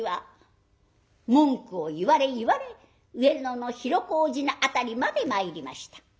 文句を言われ言われ上野の広小路の辺りまで参りました。